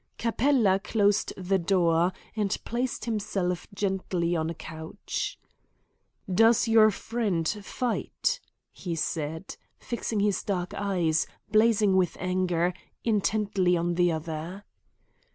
Capella closed the door, and placed himself gently on a couch. "Does your friend fight?" he said, fixing his dark eyes, blazing with anger, intently on the other.